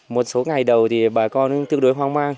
một số ngày đầu thì bà con tương đối hoang mang